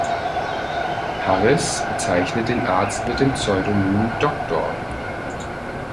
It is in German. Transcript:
Harris bezeichnete den Arzt mit dem Pseudonym „Dr.